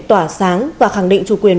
tỏa sáng và khẳng định chủ quyền